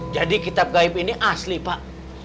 jadi kitab gaib ini asli pak